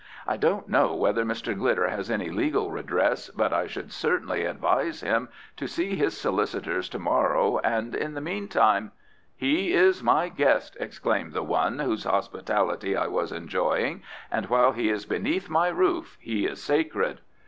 I don't know whether Mr. Glidder has any legal redress, but I should certainly advise him to see his solicitors to morrow, and in the meantime " "He is my guest," exclaimed the one whose hospitality I was enjoying, "and while he is beneath my roof he is sacred."